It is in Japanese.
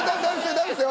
ダメですよ。